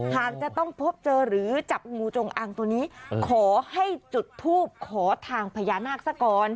หากจะต้องพบเจอหรือจับงูจงอางตัวนี้ขอให้จุดทูบขอทางพญานาคซะก่อน